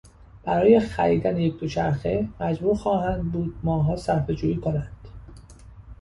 برای خریدن یک دوچرخه مجبور خواهند بود ماهها صرفهجویی کنند.